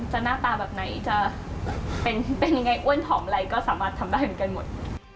หน้าตาแบบไหนจะเป็นยังไงอ้วนผอมอะไรก็สามารถทำได้เหมือนกันหมด